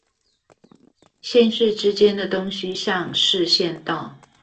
縣市之間的東西向市縣道